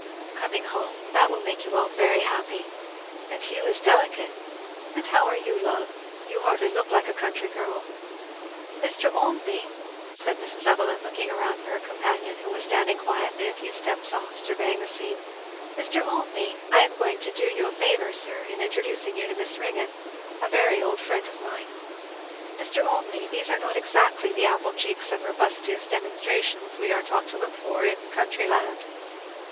"Coming home. That will make you all very happy. And Hugh is delicate and how are you, love? you hardly look like a country girl. Mr. Olmney! " said Mrs. Evelyn looking round for her companion, who was standing quietly a few steps off surveying the scene, "Mr. Olmney! I am going to do you a favour, sir, in introducing you to Miss Ringgan a very old friend of mine. Mr. Olmney, these are not exactly the apple cheeks and robustious demonstrations we are taught to look for in country land?"